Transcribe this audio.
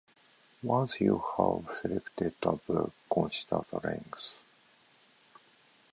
Once you have selected a book, consider the length.